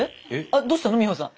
あっどうしたの美穂さん。